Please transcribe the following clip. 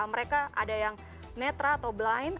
mereka ada yang netra atau blind